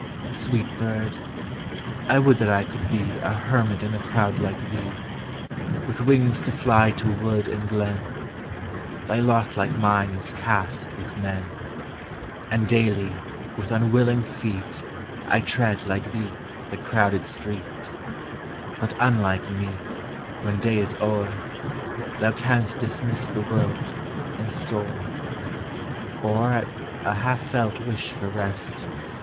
Sweet bird ! I would that I could be A hermit in the crowd like thee! With wings to fly to wood and glen. Thy lot, like mine, is cast with men; And daily, with unwilling feet, T tread, like thee, the crowded street, But, unlike me, when day is o'er, Thou canst dismiss the world, and soar: Or, at a half felt wish for rest.